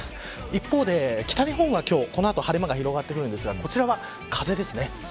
一方で北日本は、今日晴れ間が広がってきますがこちらは風ですね。